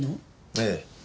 ええ。